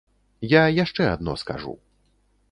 Я яшчэ адно скажу.